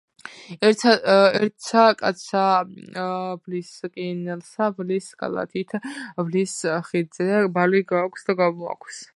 ერთსა კაცსა ბლისკინელსა ბლის კალათით ბლის ხიდზედა ბალი გააქვს და გამოაქვს